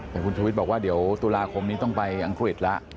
แต่คุณชวิตบอกว่าเดี๋ยวตุลาคมนี้ต้องไปอังกฤษแล้ว